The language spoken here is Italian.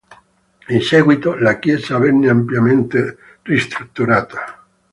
In seguito la chiesa venne ampiamente ristrutturata.